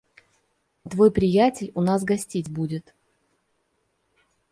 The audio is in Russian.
Твой приятель у нас гостить будет...